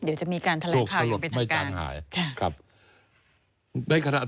เดี๋ยวจะมีการแถลกข้าวยงไปทางกลางโชคสลบไม่จางหาย